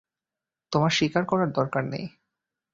তোমার শিকার করার দরকার নেই।